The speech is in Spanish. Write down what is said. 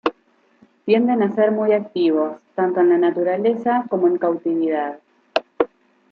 Tienden a ser muy activos tanto en la naturaleza como en cautividad.